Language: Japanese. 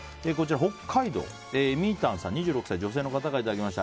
北海道の２６歳の女性の方からいただきました。